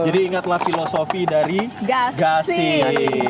jadi ingatlah filosofi dari gasing